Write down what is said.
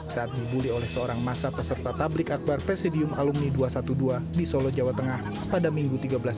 saat dibully oleh seorang masa peserta tablik akbar presidium alumni dua ratus dua belas di solo jawa tengah pada minggu tiga belas januari dua ribu delapan belas lalu